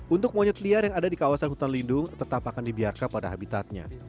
untuk monyet liar yang ada di kawasan hutan lindung tetap akan dibiarkan pada habitatnya